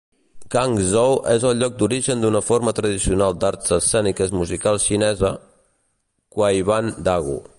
Cangzhou és el lloc d'origen d'una forma tradicional d'arts escèniques musicals xinesa: Kuaiban Dagu.